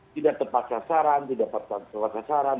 tidak tepat sasaran tidak tepat sasaran